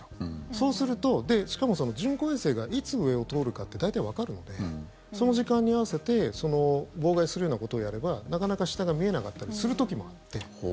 そうするとしかも、その人工衛星がいつ上を通るかって大体わかるのでその時間に合わせて妨害するようなことをやればなかなか、下が見えなかったりする時もあって。